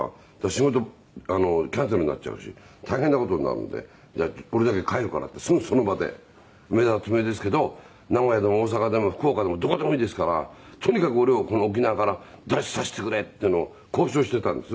仕事キャンセルになっちゃうし大変な事になるので「俺だけ帰るから」ってすぐその場で「梅沢富美男ですけど名古屋でも大阪でも福岡でもどこでもいいですからとにかく俺をこの沖縄から脱出させてくれ」っていうのを交渉してたんです。